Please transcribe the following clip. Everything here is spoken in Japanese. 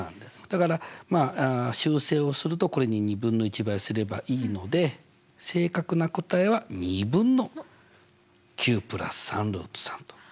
だからまあ修正をするとこれに２分の１倍すればいいので正確な答えは２分の９＋３ルート３と。